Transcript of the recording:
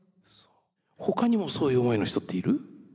ほかにもそういう思いの人っている？